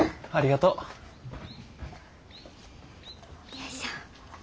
よいしょ。